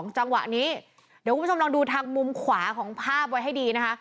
จังหวะนี้เดี๋ยวคุณผู้ชมลองดูทางมุมขวาของภาพไว้ให้ดีนะคะ